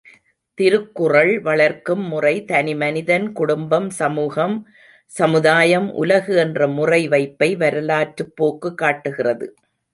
திருக்குறள் வளர்க்கும் முறை தனிமனிதன் குடும்பம் சமூகம் சமுதாயம் உலகு என்ற முறைவைப்பை வரலாற்றுப் போக்கு காட்டுகிறது.